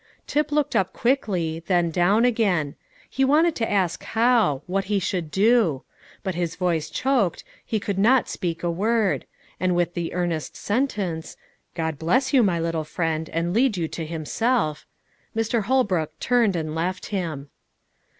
Tip looked up quickly, then down again; he wanted to ask how what he should do; but his voice choked, he could not speak a word; and with the earnest sentence, "God bless you, my little friend, and lead you to Himself," Mr. Holbrook turned and left him.